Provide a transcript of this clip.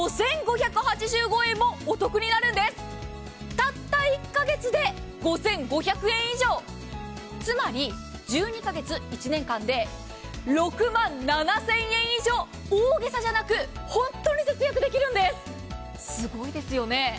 たった１か月で５５００円以上、つまり１２か月、１年間で６万７０００円以上、大げさじゃなく本当に節約できるんです、すごいですよね。